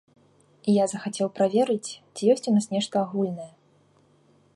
І я захацеў праверыць, ці ёсць у нас нешта агульнае.